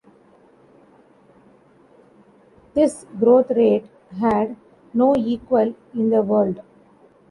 This growth rate had no equal in the world.